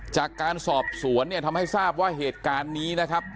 จากการสอบสวนเนี่ยทำให้ทราบว่าเหตุการณ์นี้นะครับ